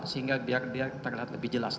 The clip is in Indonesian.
sehingga biar dia terlihat lebih jelas